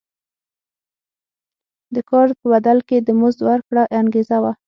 د کار په بدل کې د مزد ورکړه انګېزه وه.